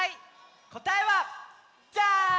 こたえはジャーン！